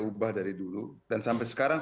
ubah dari dulu dan sampai sekarang